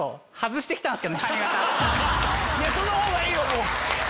そのほうがいいよ！